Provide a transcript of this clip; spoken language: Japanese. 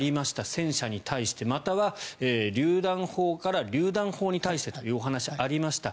戦車に対してまたはりゅう弾砲からりゅう弾砲に対してというお話がありました。